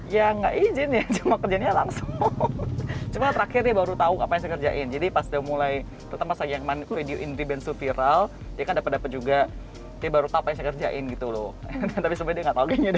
ya gak izin ya cuma kerjanya langsung cuma terakhir dia baru tahu apa yang saya kerjain jadi pas dia mulai terutama saat yang main video indri bensu viral dia kan dapat dapat juga dia baru tahu apa yang saya kerjain gitu loh tapi sebenarnya dia gak tahu kayaknya deh